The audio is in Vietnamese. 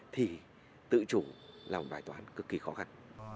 thì tự chủ là một bài toán cực kỳ khó khăn